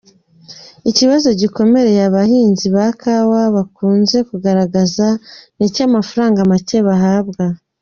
Ikibazo gikomereye abahinzi ba kawa bakunze kugaragaza, ni icy’amafaranga make bahabwa.